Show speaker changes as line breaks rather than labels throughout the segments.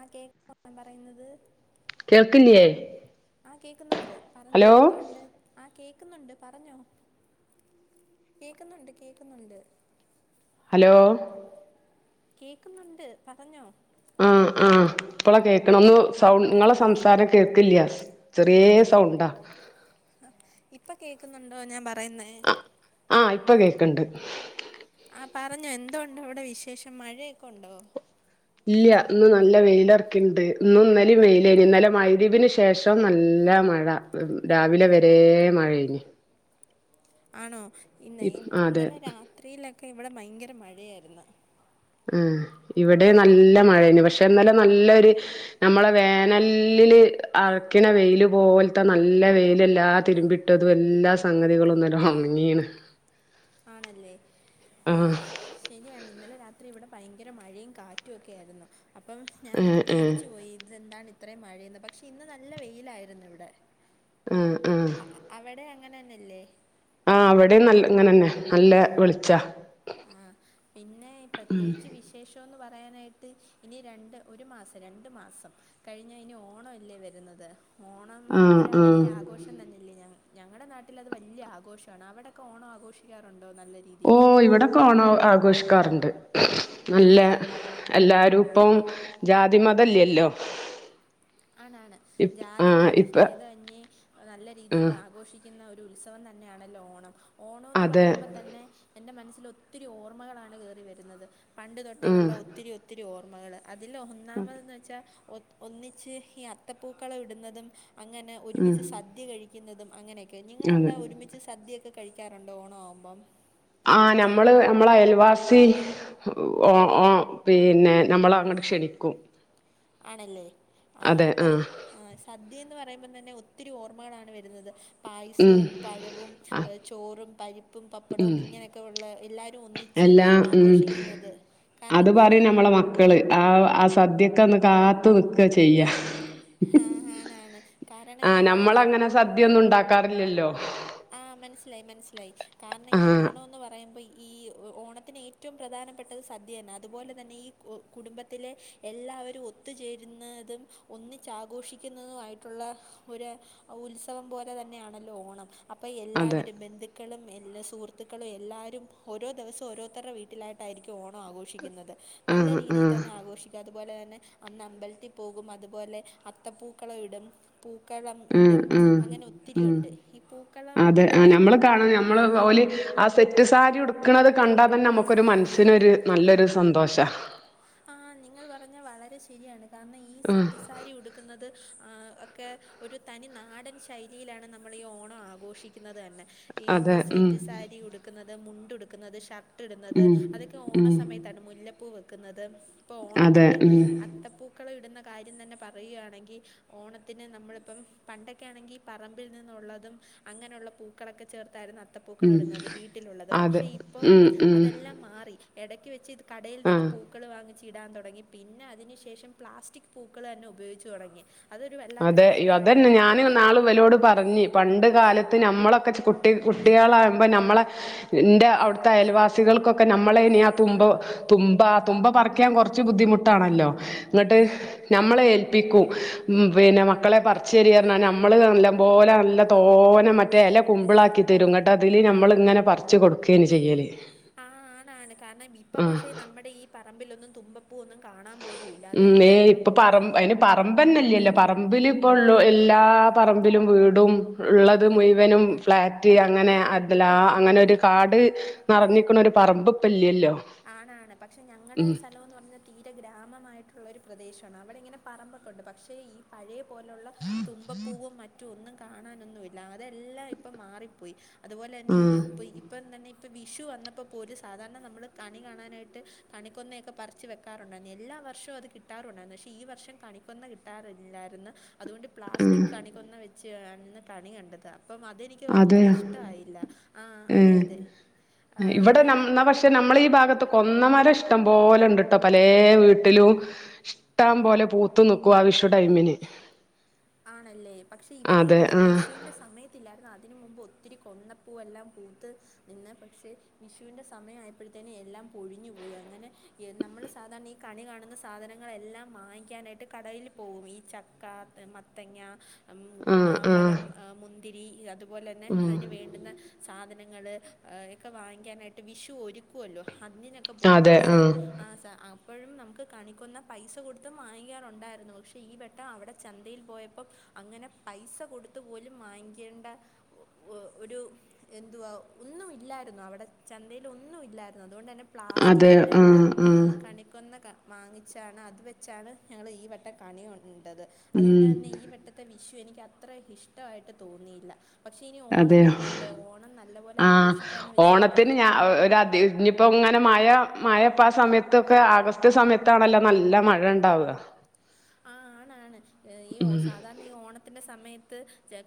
ആഹ് കേക്കൻ പറയുന്നത്.
കേൾക്കില്യേ?
ആഹ് കേക്കുന്നുണ്ട് പറഞ്ഞോ എന്തോ ഉണ്ട് ആഹ്. കേക്കുന്നുണ്ട് പറഞ്ഞോ കേക്കുന്നുണ്ട് കേക്കുന്നുണ്ട്.
ഹലോ.
കേക്കുന്നുണ്ട് പറഞ്ഞോ.
ആഹ് ആഹ് ഇപ്പള കേക്കണെ ഒന്ന് സൗ നിങ്ങളെ സംസാരം കേൾക്കില്യ. ചെറിയെ സൗണ്ടാ.
കേക്കുന്നുണ്ടോ ഞാൻ പ
ആ ആഹ് ഇപ്പൊ കേക്കണ്ട്.
ആഹ് പറഞ്ഞോ എന്തോ ഒണ്ട് അവിടെ വിശേഷം മഴയൊക്കെ ഉണ്ടോ?
ഇല്ല്യ ഇന്ന് നല്ല വെയിലെറക്കിണ്ട് ഇന്നും ഇന്നലേം വെയിലേഞ് ഇന്നലെ മഗ്‌രിബ് ന് ശേഷം നല്ല മഴ രാവിലെ വരെ മഴേനി.
ആണോ ഇന്നെ
അതെ
ഇന്നലെ രാത്രീലോക്കെ ഇവടെ ഭയങ്കര മഴയായിര്ന്ന്.
ആഹ് ഇവടെ നല്ല മഴേയ്ന്നു. പക്ഷെ ഇന്നലെ നല്ലൊരു നമ്മളെ വേനൽ ല്ലില് അറിക്ക്ണ വെയ്ല് പോൽത്ത നല്ല വെയ്ലെല്ലാ തിര്മ്പിട്ടതു എല്ലാ സംഗതികളുന്നലെ ഒൺങ്ങീണ്.
ആണല്ലേ ആഹ് ശെര്യാണ് ഇന്നലെ രാത്രി ത്രി ഇവടെ ഭയങ്കര മഴേം കാറ്റൊക്കായിര്ന്നു. അപ്പം
ഏഹ്
ഞാനങ്ങ്
ഏഹ്
പേടിച്ചു പോയി ഇതെന്താണ് അത്രേം മഴേന്ന് പക്ഷെ ഇന്ന് നല്ല വെയ്ലായിര്ന്നു ഇവിടെ
ആഹ് ആഹ്
അങ്ങനെന്നെല്ലേ
ആഹ് അവടേം നൽ ഇങ്ങനെന്നെ നല്ല വെളിച്ചാ
ആഹ് പിന്നെ പ്രത്യേച്ച് വിശേഷോന്ന് പർ പറയാനായ്ട്ട് ഇനി രണ്ട് ഒര് മാസം രണ്ട് മാസം കഴിഞ്ഞാ ഇനി ഓണോല്ലേ വര്ന്നത് ഓണം
ആഹ്
ഒര്
ആഹ്
വല്ല്യേ ആഘോഷം തന്നെല്ലേ ഞങ്ങ ഞങ്ങളടെ നാട്ടിലത് വല്ല്യേ ആഘോഷാണ്. അവടക്കെ ഓണം ആഘോഷിക്കാറ്ണ്ടോ നല്ല രീതീയില്
ഓഹ് ഇവിടൊക്കെ ഓണം ആഘോഷിക്കാറ്ണ്ട്
ആ
നല്ല എല്ലാരും ഇപ്പം ജാതിമതല്ലല്ലോ
ആണ് ആണ് ജാതി, മത ഫേദന്യെ നല്ല രീതീല്
ആഹ്
ആഘോഷി ക്ക്ന്ന ഒരു ഉത്സവം തന്നേണല്ലോ ഓണം ഓണോന്ന്
അതെ
പറയ്മ്പോ തന്നെ എൻ്റെ മനസ്സിൽ ഒത്തിരി ഓർമ്മകളാണ് കേറി വര്ന്നത്. പണ്ട്
ആഹ്
തൊട്ടേള്ള ഒത്തിരി ഒത്തിരി ഓർമ്മകള് അതില് ഒന്നാമതെന്ന് വെച്ചാ ഒ ഒന്നിച്ച് ഈ അത്തപ്പൂക്കള ഇട്ന്നതും അങ്ങനെ
ഉം
ഒര്മിച്ച് സദ്യ കഴിക്ക്ന്നതും അങ്ങനെയൊക്കെ
അതെ
നിങ്ങളവിടെ ഒര്മിച്ച് സദ്യയൊക്കെ ക കഴിക്കാറ്ണ്ടോ ഓണം ആവുമ്പം
ആഹ് ഞമ്മള് ഞമ്മളെ അയൽവാസി ഓ ഓ പിന്നെ ഞമ്മള് അങ്ങട്ട് ക്ഷണിക്കും.
ആണല്ലേ ആഹ്
അതെ
അപ്പൊ
ആ
ആഹ് സദ്യേന്ന് പറ പറയുമ്പം തന്നെ ഒത്തിരി ഓർമ്മകളാണ് വര്ന്നത്.
ഉം
പായസവും, പഴവും,
ആ
ചോറും, പരിപ്പും, പപ്പടവും,
ഉം
ഇങ്ങനെക്കെ ഉള്ള എല്ലാവരും ഒന്നിച്ച്
എല്ലാ മ്
ആഘോഷിക്കുന്നത്
അത്
കാരണം
പറയും നമ്മളെ മക്കള് ആഹ് അസ് സദ്യക്കന്ന് കാത്ത് നിക്കാ ചെയ്യാ
ആഹ് ആണാണ് കാരണം ഈ ഓണം
അല്ലല്ലോ
ആഹ് മനസ്സിലായി മനസ്സിലായി കാരണം
ആ
ഈ ഓണോന്ന് പറയുമ്പോ ഈ ഓ ഓണത്തിന് ഏറ്റവും പ്രധാനപ്പെട്ടത് സദ്യന്നെ. അത്പോലെ തന്നെ ഈ കുടുംബത്തിലെ എല്ലാവരും ഒത്ത്ചേ ചേര്ന്നതും ഒന്നിച്ച് ആഘോഷിക്കുന്നതുമായിട്ടുള്ള ഒര് ഉത്സവം പോലെ തന്നെയാണ്. ആണല്ലോ ഓണം. അപ്പ
അതെ
എല്ലാവരും ബന്ധു ക്കളും എല്ലാ സുഹൃത്ത്ക്കളും എല്ലാരും ഓരോ ദെവസോം ഓരോര്ത്തര്ടെ വീട്ടിലായിട്ടായിരിക്കും ഓണം ആഘോഷിക്കുന്നത്.
ആ
നല്ല
ആ
രീതിയിൽ തന്നെ ആഘോഷിക്കാത് അത്പോലെ തന്നെ അന്ന് അമ്പലത്തിൽ പോകും. അത്പോലെ അത്തപ്പൂക്കളം ഇടും പൂക്കളം
ഉം
ഇടും
ഉം
അങ്ങനെ ഒത്തിരി
ഉം
ഒണ്ട് ഇപ്
അതെ ആഹ് ഞമ്മള് കാണും ഞമ്മള് ഓല് ആസ് സെറ്റ് സാരി ഉട്ക്ക്ണത് കണ്ടാ തന്നെ ഞമ്മക്കൊര് മൻസ്സിനൊര് നല്ലൊര് സന്തോഷാ.
ആഹ് നിങ്ങൾ പറഞ്ഞ വളരെ ശെരിയാണ് കാരണം ഈ
ഉം
സെറ്റ് സാരി ഉട്ക്ക്ന്നത് ആ ഒക്കെ ഒര് തനി നാടൻ ശൈലിയിലാണ് നമ്മള് ഈ ഓണം ആഘോഷിക്ക്ന്നത് തന്നെ ഈ
അതെ
ഇപ്പ
ഉം
സെറ്റ് സാരി ഉട്ക്കുന്നത് മുണ്ട്ടുക്കുന്നത് ഷർ ട്ട് ട്ന്നത്
ഉം
അതൊക്കെ
ഉം
ഓണസമയത്താണ് മുല്ലപ്പൂ വെക്ക്ന്നത് ഇപ്പൊ
അതെ
ഓണത്തിന്റെ
ഉം
അത്തപ്പൂക്കളം ഇട്ന്ന കാര്യം തന്നെ പറയ്കയാണെങ്കി ഓണത്തിന് നമ്മള്പ്പം പണ്ടൊക്കെ ആണെങ്കിൽ പറമ്പിൽ നിന്നൊള്ളതും അങ്ങനൊള്ള പൂക്കളൊക്കെ ചേർത്ത് തായിര്ന്നു അത്തപ്പൂക്കൾ
ഉം
ഇട്ന്നത് വീട്ടിലുള്ളത്
അതെ
പക്ഷെ ഇപ്പോ
ഉം ഉം
അതെല്ലാം മാറി എടക്ക് വെച്ച്ത് കടേൽ നിന്ന്
ആഹ്
പൂ വങ്ങിച്ചിടാൻ തുടങ്ങി പിന്നെ അതിനു ശേഷം പ്ലാസ്റ്റിക് പൂക്കൾ തന്നെ ഉപയോഗിച്ചു തുടങ്ങി. അതൊരു വല്ലാത്ത
അതെ യോ
കഷ്ടമായിട്ട്
അതന്നെ
എനിക്ക്
ഞാന്
തോന്നുന്നു
ഇന്നാള് ഇവരൊട് പറഞ്ഞ് പണ്ട് കാലത്ത് ത്ത് നമ്മളൊക്കെ കുട്ടി കുട്ടികളാകുമ്പോ നമ്മളെ ഇന്റെ അവിടുത്തെ അയൽവാസികൾക്കൊക്കെ നമ്മളെ [unintelligible] തുമ്പ തുമ്പ പറിക്കാൻ കൊറച്ച് ബുദ്ധിമുട്ടാണല്ലോ എന്നിട്ട് ഞമ്മള് ഏൽപ്പിക്കും. മ് പിന്നെ മക്കളെ പറച്ചെര്യ പറഞ്ഞ നമ്മള് നല്ല പോലെ നല്ല തോനെ മറ്റേ എല കുമ്പളാക്കി തരും കേട്ട അതില് ഞമ്മള് ഇങ്ങനെ പറച്ച് കൊടുക്കെന് ചെയ്യല്.
ആഹ് ആണ് ആണ് കാരണം ഇപ്പ
ആഹ്
പക്ഷേ നമ്മടെ ഈ പറമ്പിലൊന്നും തുമ്പ പൂ ഒന്നും കാണാൻ പോലൂല്ല അതെല്ലാ ഇപ്പം
പറമ്പന്നല്ലേല്ലോ പറമ്പില് ഇപ്പോ ഒള്ളോ എല്ലാ പറമ്പിലും വീടും ഇള്ളത് മുയിവനും ഫ്ലാറ്റ് അങ്ങനെ അതിലാ അങ്ങനെ ഒരു കാട് നറഞ്ഞിക്കണ ഒരു പറമ്പ് ഇപ്പല്ലല്ലോ.
ആണ് ആണ് പക്ഷേ ഞങ്ങടെ സ്ഥലംന്ന് പറഞ്ഞ തീര ഗ്രാമമായിട്ടുള്ളൊരു പ്രദേശാണ്, അവിടെ ഇങ്ങനെ പറമ്പൊക്കെ ഉണ്ട് പക്ഷേ ഈ പഴയ പോലുള്ള തുമ്പപ്പൂവും മറ്റും ഒന്നും കാണാനൊന്നുല്ല അതെല്ലാം ഇപ്പം മാറി പോയി. അതുപോലെ തന്നെ ഈ
ആഹ്
ഇപ്പ ഇപ്പം തന്നെ ഇപ്പം വിഷു വന്നപ്പ [unintelligible] സാധാരണ നമ്മള് കണി കാണാനായിട്ട് കണിക്കൊന്നയൊക്കെ പറിച്ച് വെക്കാറുണ്ടായിരുന്നു, എല്ലാ വർഷവും അത് കിട്ടാറുണ്ടായിരുന്നു പക്ഷേ ഈ വർഷം ക കണിക്കൊന്ന കിട്ടാറില്ലായിരുന്നു, അതുകൊണ്ട് പ്ലാസ്റ്റിക് കണിക്കൊന്ന [unintelligible] കണി കണ്ടത്. അപ്പം അതെനിക്ക് അത്ര
അതെയോ
ഇഷ്ടായില്ല, ആഹ് അതെ അതെ. ആ,
ഏ ഇവിടെ
അങ്ങനെ
നമ് പക്ഷേ നമ്മള് ഈ ഭാഗത്തൊ കൊന്നമരം ഇഷ്ടം പോലെ ഇണ്ട്ട്ടോ പലെ വീട്ടിലും ഇഷ്ടം പോലെ പൂത്ത് നിക്കും [unintelligible] വിഷു ടൈമിന്.
ആണല്ലേ പക്ഷേ ഇവിടെയും
അതെ
വി
ആഹ്
വിഷുവിന്റെ സമയത്ത് ഇല്ലായിരുന്നു അ തിന് മുമ്പ് ഒത്തിരി കൊന്നപ്പൂവെല്ലാം പൂത്ത് നിന്ന് പക്ഷേ വിഷുന്റെ സമയം ആയപ്പഴ്ത്തേനും എല്ലാം പൊഴിഞ്ഞു പോയി, അങ്ങനെ എ നമ്മള് സാധാരണ ഈ കണി കാണുന്ന സാധനങ്ങളെല്ലാം വാങ്ങിക്കാനായിട്ട് കടയിൽ യിൽ പോകും, ഈ ചക്ക, മത്തങ്ങാ,
ആഹ് ആഹ്
മാമ്പഴം, ആ മുന്തിരി അത് പോലന്നെ
ഉം
അതിന് വേണ്ടുന്ന സാധനങ്ങൾള് ഏ ക്കെ വാങ്ങിക്കാനായിട്ട് വിഷു ഒരുക്കുവല്ലോ [unintelligible] പോകും
അതെ
പക്ഷേ
ആഹ്
ആ സാ അ ഇപ്പോഴും നമുക്ക് കണിക്കുന്ന പൈസ കൊടുത്ത് വാങ്ങിക്കാറുണ്ടായിരുന്നു. പക്ഷേ ഈ വെട്ടം അവിടെ ചന്തയിൽ പോയപ്പം അങ്ങനെ പൈസ കൊടുത്ത് പോലും വാങ്ങിക്കേണ്ട ഒ ഒരു എ ഒ ഒന്നും ഇല്ലായിരുന്നു അവടെ ചന്തയിലൊന്നും ഇല്ലായിരുന്നു. അതുകൊണ്ട് തന്നെ
അതെ
പ്ലാസ്റ്റിക്കിൻ്റെ
ആഹ്
ഹ്
ആഹ്
കണിക്കൊന്ന ക വാങ്ങിച്ചാണ് അത് വെച്ചാണ് ഞങ്ങളീവട്ടം കണികൊണ്ടത് അതുകൊണ്ട്
ഉം
ണ്ടെന്നെ ഈ വട്ടത്തെ വിഷു എനിക്ക് അത്ര ഇഷ്ടവായിട്ട് തോന്നിയില്ല. പക്ഷേ ഇനി ഓണം
അതെയോ
വരുന്നല്ലോ ഓണം നല്ലപോലെ
ആ
ആഘോഷിക്കാമെന്ന് വെച്ചിരിക്കുക
ഓണത്തിന് ഞാ ഒരതി ഇനിപ്പോ ങ്ങെനെ മയ മയപ്പാ സമയത്തൊക്കെ ആഗസ്റ്റ് സമയത്താണല്ലോ നല്ല മഴ ഉണ്ടാവ
ആ ആണാണ് ഈ സാധാരണ ഈ ഓണത്തിന്റെ സമയ ത്ത്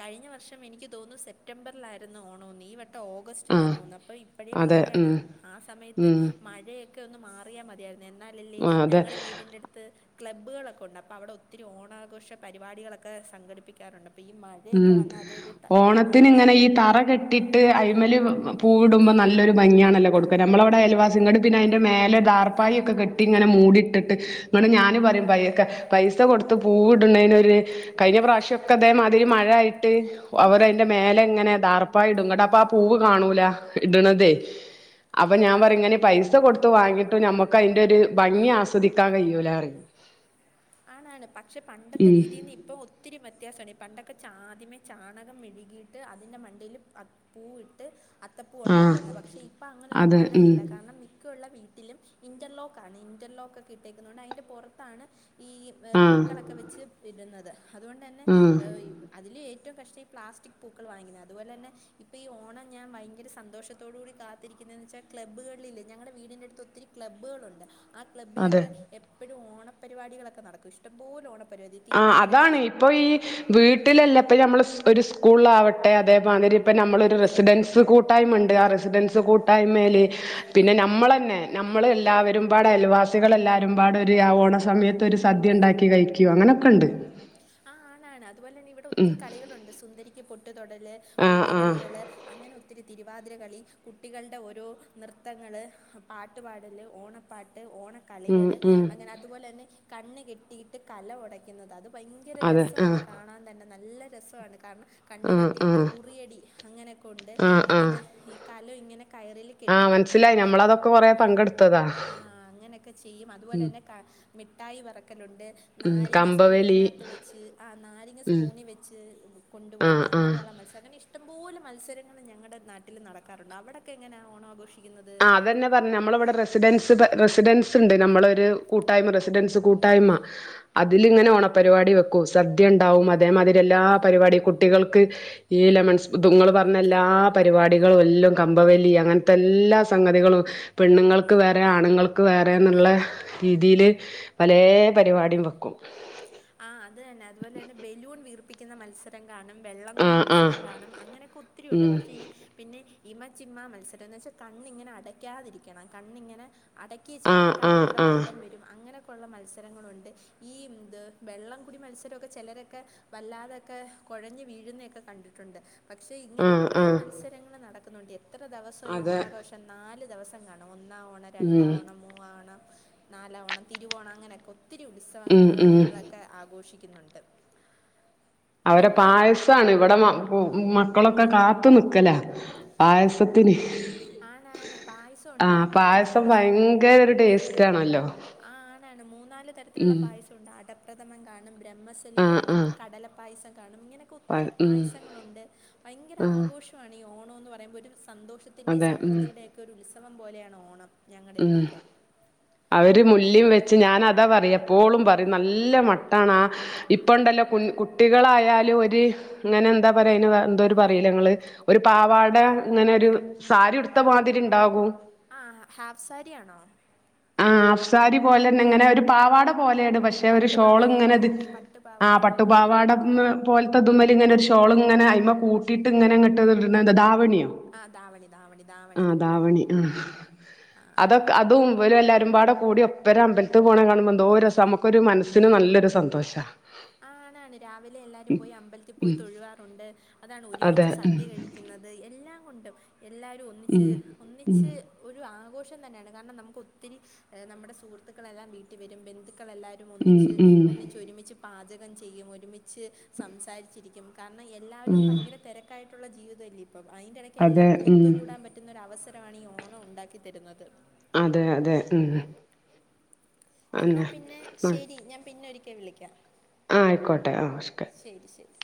കഴിഞ്ഞ വർഷം എനിക്ക് തോന്നു സെപ്റ്റംബറിലായിരുന്നു ഓണോന്ന് ഈ വ ട്ടോഗസ്റ്റിലാ
ആഹ്
തോന്ന് അപ്പോഇപ്പോഴീ
അതെ
മഴയാണ്
ഉം
ആ സമയത്ത്
ഉം
മഴയൊക്കെ ഒന്ന് മാറിയാ മതിയാരുന്നു എന്നാലല്ലേ
ആ അതെ
ഞങ്ങടെ വീടിന്റെറടുത്ത് ക്ലബ്ബുകളൊക്കെ ഒണ്ടപ് പ്പൊ അവടെ ഒത്തിരി ഓണാഘോഷ പരിപാടികളൊക്കെ സംഘടിപ്പിക്കാറുണ്ട് അപ്പോൾ ഈ മഴയൊക്കെ
ഉം
വന്നാൽ അതൊരു ത-
ഓണത്തിന് ഇങ്ങനെ
ഓണാഘോഷം
ഈ തറ കെട്ടിട്ട് അയ്മല് വ് പൂവുടുമ്പോ നൊരു ഭംഗിയണല്ലോ കൊടുക്ക നമ്മളവടെ അയൽവാസി ഇങ്ങട് പിന്നെ അയിന്റെ മേലെ ടാർപ്പായൊക്കെ കെട്ടിങ്ങനെ മു മൂടിട്ടിട്ട് ങ്ങ്ട് ഞാന് പറിം പയ്‌ക്കെ പൈസ കൊടുത്ത് പൂവ്ട്നീനൊരു കയ്ഞ്ഞ പ്രാവശ്യം ക്കൊതേ മാ ഇതില് മഴ ആയിട്ട് അവർ അതിന്റെ മേലെങ്ങെനെ ദാർപ്പായിടും ങ്ങ്ടപ്പൊ ആ പൂവ് കാണൂല ഇട്ണ് തെ അപ്പൊ
ആ
ഞാൻ
ആ
പറീം ഇങ്ങനെ പൈസ കൊടുത്ത് വാങ്ങിട്ട് ഞമ്മക്കയിന്റൊരു ഭംഗി ആസ്വദിക്കാൻ കഴിയൂലാറിം.
ആണാണ് പക്ഷെ പണ്ടത്തെ
ഉം
രീതീന്ന് ഇപ്പൊ ഒത്തിരി മ വ്യത്യാസാണ് പണ്ടൊക്കെ ചാദ്യമേ ചാണകം മെഴുകിയിട്ട് അതിൻ്റെ മണ്ടീൽ അത് പൂവിട്ട് അത് അത്തപ്പൂ
ആഹ്
ഉണ്ടാക്കുവാരുന്നു പക്ഷെ ഇപ്പൊ അങ്ങനൊന്നും
അതെ ഉം
കാണലില്ല കാരണം മിക്കൊള്ള വീ ട്ടിലും ഇന്റർലോക്കാണ് ഇന്റർലോക്കൊക്കെ ഇട്ടേക്കുന്നത് കൊണ്ട് അതിന്റെ പുറത്താണ്. ഈ
ആഹ്
പൂക്കളൊക്കെ വെച്ച് ഇടുന്നത് അതുകൊണ്ടന്നെ
ആഹ്
ഹ് അതിലേ ഏറ്റവും കഷ്ടം ഈ പ്ലാസ്റ്റിക് പൂക്കൾ വാങ്ങുന്നതാ അതുപോലെ തന്നെ ഇപ്പ ഈ ഓണം ഞാൻ ഭയങ്കര സന്തോഷത്തോട് കൂടി കാത്തിരിക്കുന്നു പിന്നെന്ന് വെച്ചാൽ ക്ലബുകളിലില്ലെ ഞങ്ങളുടെ വീടിന്റെ അടുത്ത് ഒത്തിരി ക്ലബ്ബുകളുണ്ട് ആ
അതെ
ക്ലബ്ബിലൊക്കെ എപ്പോഴും ഓണപരിപാടികളൊക്കെ നടക്കും ഇഷ്ടംപോലെ ഓണ
ആഹ് അതാണ് ഇപ്പൊ ഈ വീട്ടിലല്ല ഇപ്പ നമ്മൾ ഒരു സ്കൂളിലാവട്ടെ അതേമാതിരി ഇപ്പ നമ്മള് ഒരു റെസിഡൻസ് കൂട്ടായ്മ ണ്ട് ആ റെസിഡൻസ് കൂട്ടായ്മേൽ പിന്നെ നമ്മൾ തന്നെ നമ്മൾ എല്ലാവരും വടെ അയല്വാസിക ളെല്ലാരും പാടെ ഒരു ആ ഓണ സമയത്ത് ഒരു സദ്യ ഉണ്ടാക്കി കഴിക്കും അങ്ങനൊക്കെണ്ട്.
ആ അതുപോലെ തന്നെ ഇവിടെ ഒത്തിരി കളികളുണ്ട് സുന്ദരിക്ക് പൊട്ടുതൊടീല്
ആ ആ
പുലികളികള് അങ്ങനെ ഒത്തിരി തിരുവാതിരകളി കുട്ടികളുടെ ഓരോ നൃത്തങ്ങൾ പാട്ടുപാടൽ ഓണപ്പാട്ട്
ഉം
ഓണക്കളികൾ
ഉം
അങ്ങനെ അതുപോലെ തന്നെ കണ്ണ് കെട്ടിയിട്ട് കലം ഒടക്കുന്നത് അത് ഭയങ്കര
അതെ ആ
രസമാണ് കാണാൻ തന്നെ നല്ല രസമാണ് കാരണം കണ്ണ്
ആ ആ
കെട്ടിയിട്ട് ഉറിയടി അങ്ങനൊക്കെ ഉണ്ട് ഇങ്ങനെ കലം ഇങ്ങനെ കയറിൽ
ആഹ് മനസ്സിലായി നമ്മളതൊക്കെ കൊറെ പങ്കെടുക്ക്
ആഹ് അങ്ങനൊക്കെ ചെയ്യും അതുപോലെ
ഉം
തന്നെ ക മിഠായി പെറുക്കലുണ്ട്
ഉം
നാരങ്ങ
കമ്പവലി
സ്പൂണിനാത്ത് വെച്ച് ആഹ് നാരങ്ങ
ഉം
സ്പൂണിൽ വെച്ച്
ആ
കൊണ്ടുപോകുന്ന
ആ
അങ്ങനെയുള്ള മത്സരം ഇഷ്ട ഇഷ്ടംപോലെ മത്സരങ്ങൾ ഞങ്ങടെ നാട്ടിൽ നടക്കാറുണ്ട് അവിടൊക്കെ എങ്ങനാ ഓണാഘോഷി
ആ അതന്നെ പറഞ്ഞെ നമ്മളിവിടെ റെസിഡൻസി റസിഡൻസ് ണ്ട് നമ്മളൊരു കൂട്ടായ്മ റസിഡൻസ് കൂട്ടായ്മ അതിലിങ്ങനെ ഓണപരിപാടി വെക്കും സദ്യ ഉണ്ടാവും അതേമാതിരി എല്ലാ പരിപാട്യും കുട്ടികൾക്ക് ഈ ലെമൺസ്പൂ ഇങ്ങൾ പറഞ്ഞ എല്ലാ പരിപാടികളും എല്ലാം കമ്പവലി അങ്ങനത്തെല്ലാ സംഗതികളും പെണ്ണുങ്ങൾക്ക് വേറെ ആണുങ്ങൾക്ക് വേറെ എന്നുള്ള രീതിയിൽ പലേ പരിപാടിയും വെക്കും
ആഹ് അത് തന്നെ അതുപോലെ തന്നെ ബലൂൺ വീർപ്പിക്കുന്ന മത്സരങ്ങ കാണും
ആ
വെള്ളംകൂടി
ആ
മത്സരം കാണും അങ്ങനെയൊക്കെ ഒത്തിരി ഉണ്ട്
ഉം
പക്ഷേ ഈ പിന്നെ- ഇമ ചിമ്മാ മത്സരം എന്ന് വെച്ചാൽ കണ്ണിങ്ങനെ അടയ്ക്കാതിരിക്കണം കണ്ണിങ്ങനെ- അടക്കിയേ
ആ
ചെയ്യരുത് അപ്പോൾ
ആ
കണ്ണിൽ കൂടെ
ആ
വെള്ളം വരും അങ്ങനെയൊക്കെയുള്ള മത്സരങ്ങളുണ്ട് ഈ ഇത്- വെള്ളം കുടി മത്സരമൊക്കെ ചെലരൊക്കെ വല്ലാതൊക്കെ കുഴഞ്ഞ് വീഴുന്നൊക്കെ കണ്ടിട്ടുണ്ട് പക്ഷേ ഇങ്ങനെ
ആ
കൊറേ
ആ
മത്സരങ്ങൾ നടക്കുന്നുണ്ട് എത്ര ദെവസം ഈ
അതെ
ഓണാഘോഷം നാല് ദെവസം കാണും ഒന്നാം ഓണം രണ്ടാ
ഉം
ഓണം മൂവാ ഓണം നാലാം ഓണം തിരുവോണം അങ്ങനെയൊക്കെ- ഒത്തിരി
ഉം ഉം
ഉത്സവങ്ങള- ആഘോഷിക്കുന്നുണ്ട്
അവരെ
പിന്നെ
പായസമാണ് ഇവിടെ [unintelligible] മക്കളൊക്കെ കാത്തുനിക്കല പായസത്തിന്
ആണാണ് പായസമുണ്ട്
ആഹ് പായസം
മൂന്നാല്
ഭയങ്കര ഒരു ടേസ്റ്റ് ആണല്ലോ
ആഹ് ആണാണ് മൂന്നാല് തരത്തിലുള്ള
ഉം
പായസമുണ്ട് അടപ്രഥമം കാണും - ബ്രഹ്മസലി
ആഹ്
കാണും
ആഹ്
കടലപ്പായസം- കാണും ഇങ്ങനെയൊക്കെ
പ
ഒത്തിരി
ഉം
പായസങ്ങളുണ്ട് ഭയങ്കര
ആഹ്
ആഘോഷമാണ് ഈ ഓണംന്ന് പറയുമ്പോൾ ഒരു- സന്തോഷത്തിന്റെയും
അതെ ഉം
സമൃദ്ധിയുടെയൊക്കെ ഒരു ഉത്സവം പോലെയാണ് ഓണം ഞങ്ങളുടെ
ഉം
ഇവിടെയൊക്കെ
അവര്- ഡെല്ലി വെച്ച് ഞാൻ അതാപറയുക എപ്പോഴും പറയും നല്ല മട്ടാണ് ആ ഇപ്പണ്ടല്ലോ കുട്ടിക- യാലും ഒരു ഇങ്ങനെ എന്താ പറയാ അയ്ന് വേറെന്തൊരു പറയ്ലെ ഇങ്ങള് ഒരു പാവാട ഇങ്ങനെ ഒരു- സാരി ഉടുത്ത മാതിരി ഇണ്ടാകൂ
ആഹ് ഹാഫ് സാരിയാണോ
ആഹ് ഹാഫ് സാരി പോലെന്നെ ഇങ്ങനെ ഒരു പാവാട പോലെയാണ് പക്ഷെ ഒരു ഷോള് ഇങ്ങനെ
പട്ടുപാവാടയാണോ
ഇത് ആ
പട്ടുപാവാട
പട്ടുപാവാടന്ന്- അതു പോലത്തെത്തതുമൽ ഇങ്ങനെ ഒരു ഷോൾ ഇങ്ങനെ അത്മേ കൂട്ടയിട്ട് ഇങ്ങനെങ്ങട്ട് ധാവണിയോ
ആഹ് ധാവണി ധാവണി
ആ
ധാവണി
ധാവണി ആ അതൊക്കെ അതും [unintelligible] എല്ലാരുംപാടെ കൂടി ഒപ്പര അമ്പൽത്ത് പോണ കാണുമ്പോ എന്തോ രസാ നമ്മക്കൊരു മനസ്സിന് നല്ലൊരു സന്തോഷാ
ആൺ അതാണ് രാവിലെ എല്ലാരും പോയി അമ്പലത്തിൽ
ഉം
പോയി തൊഴുകാറുണ്ട് അതാണ്
അതെ
ഒരുമിച്ച്
ഉം
സദ്യ കഴിക്കുന്നത് എല്ലാം കൊണ്ടും എല്ലാരും ഒന്നിച്ച്
ഉം
ഒന്നിച്ച് ഒരു ആഘോ [unintelligible] കാരണം നമ്മക്ക് ഒത്തിരി നമ്മടെ സുഹൃത്തുക്കളെല്ലാം വീട്ടി വരും ബന്ധു ക്കവെല്ലാരും ഒന്നിച്ച്,
ഉം
ഒന്നിച്ച് ഒരുമിച്ച്, പാചകം ചെയ്യും, ഒരുമിച്ച് സംസാരിച്ചിരിക്കും കാ രണം
ഉം
എല്ലാരും
ഉം
പയങ്കര തെരക്കായിട്ടുള്ള ജീവിതല്ലേ ഇപ്പം അയിന്റെ ഇടക്ക്
അതെ
എല്ലാർക്കും
ഉം
ഒത്തുകൂടാൻ പറ്റുന്ന ഒരു അവസ ആണി ഈ ഓണോ ഒണ്ടാക്കിത്തരുന്നത്.
അതെ അതെ ഉം
എന്നാ
അന്നെ
പിന്നെ ശരി ഞാൻ പിന്നെ വിളിക്കാ
ആഹ് ആയിക്കോട്ടെ ആഹ് [unintelligible]
ശരി